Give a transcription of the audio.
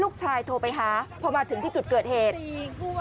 โรดเจ้าเจ้าเจ้าเจ้าเจ้าเจ้าเจ้าเจ้าเจ้าเจ้า